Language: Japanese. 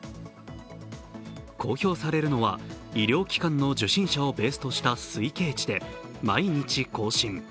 公表されるのは、医療機関の受診者をベースとした推計値で毎日更新。